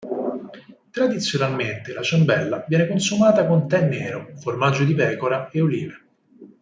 Tradizionalmente, la ciambella viene consumata con tè nero, formaggio di pecora e olive.